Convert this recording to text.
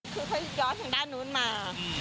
คือเขาย้อนทางด้านนู้นมา